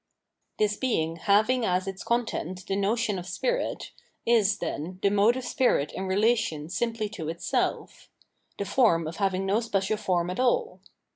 This bemg, having as its content the notion of spirit, is, then, the mode of spirit in relation simply to itself — the form of having no special form at all.